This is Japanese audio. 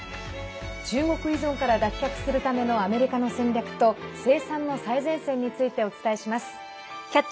中国依存から脱却するためのアメリカの戦略と生産の最前線について「キャッチ！